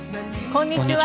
こんにちは。